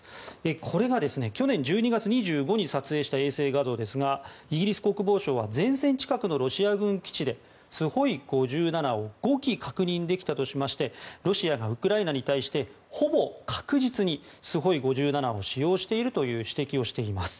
これが去年１２月２５に撮影した衛星画像ですがイギリス国防省は前線近くのロシア軍基地でスホイ５７を５機確認できたとしましてロシアがウクライナに対してほぼ確実にスホイ５７を使用しているという指摘をしています。